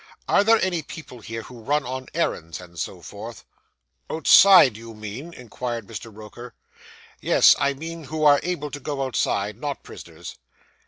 'Are there any people here who run on errands, and so forth?' 'Outside, do you mean?' inquired Mr. Roker. 'Yes. I mean who are able to go outside. Not prisoners.